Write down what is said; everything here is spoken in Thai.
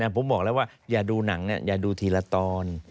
ผมบอกแล้วว่าอย่าดูหนังอย่าดูทีละตอน